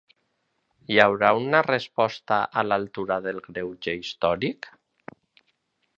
Hi haurà una resposta a l’altura del greuge històric?